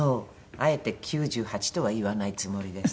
あえて９８とは言わないつもりです。